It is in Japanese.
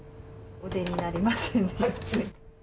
お出になりませんね。